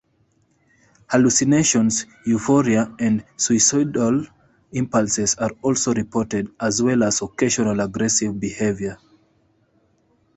Hallucinations, euphoria, and suicidal impulses are also reported, as well as occasional aggressive behavior.